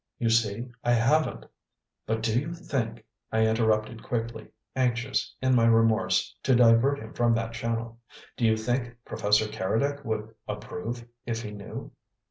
You see I haven't " "But do you think," I interrupted quickly, anxious, in my remorse, to divert him from that channel, "do you think Professor Keredec would approve, if he knew?"